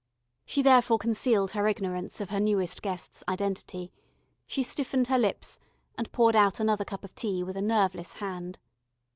She therefore concealed her ignorance of her newest guest's identity, she stiffened her lips and poured out another cup of tea with a nerveless hand.